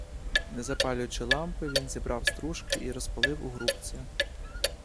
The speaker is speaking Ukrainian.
Не запалюючи лампи, він зібрав стружки й розпалив у грубці.